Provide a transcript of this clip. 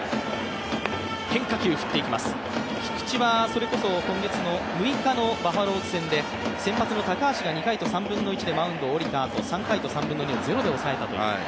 菊地はそれこそ今月の６日バファローズ戦で、先発の高橋が２回と３分の１でマウンドを降りたあと３回と３分の２をゼロで抑えた。